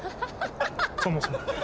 そもそも。